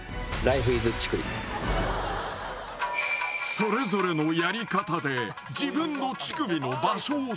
それぞれのやり方で中務君